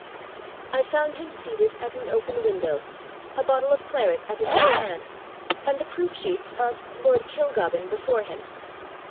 ] "I found him seated at an open window, a bottle of claret at his right hand, and the proof sheets of Lord Kilgobbin before him....